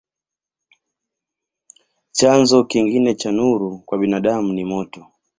Chanzo kingine cha nuru kwa binadamu ni moto.